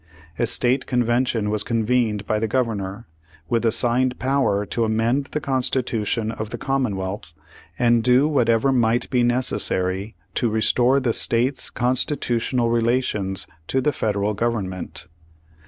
A State convention was con vened by the governor, with assigned power to amend the constitution of the commonwealth, and do whatever might be necessary "to restore the states' constitutional relations to the Federal Government."